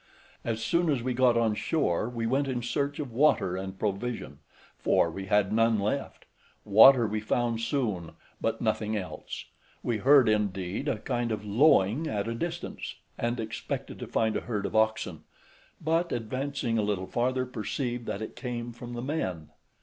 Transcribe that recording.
As soon as we got on shore we went in search of water and provision, for we had none left; water we found soon, but nothing else; we heard, indeed, a kind of lowing at a distance, and expected to find a herd of oxen, but, advancing a little farther, perceived that it came from the men.